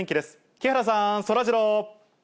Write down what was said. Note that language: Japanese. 木原さん、そらジロー。